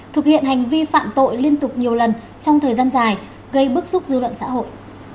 thực hiện hành vi phạm tội liên tục nhiều lần trong thời gian dài gây bức xúc dư luận xã hội